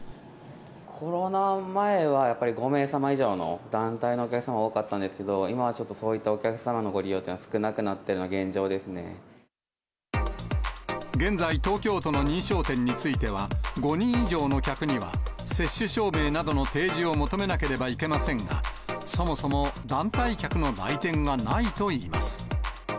コロナ前はやっぱり５名様以上の団体のお客様が多かったんですけど、今はちょっとそういったお客様のご利用というのは、少なくなって現在、東京都の認証店については、５人以上の客には、接種証明などの提示を求めなければいけませんが、そもそも団体客の来店がないといいます。